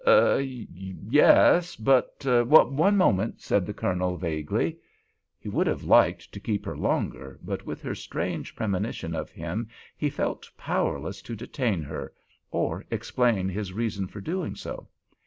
"Er—yes—but one moment," said the Colonel, vaguely. He would have liked to keep her longer, but with her strange premonition of him he felt powerless to detain her, or explain his reason for doing so.